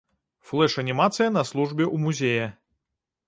Флэш-анімацыя на службе ў музея.